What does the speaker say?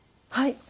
はい。